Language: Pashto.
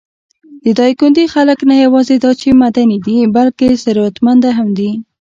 د دايکندي خلک نه یواځې دا چې معدني دي، بلکې ثروتمنده هم دي.